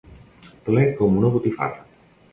Ple com una botifarra.